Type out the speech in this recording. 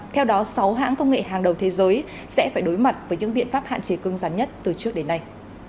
theo đó sáu hãng công nghệ hàng đầu thế giới sẽ phải đối mặt với những biện pháp hạn chế cưng rắn nhất từ trước đến nay